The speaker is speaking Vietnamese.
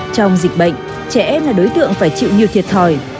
trong dịch bệnh trẻ em là đối tượng phải chịu nhiều thiệt thòi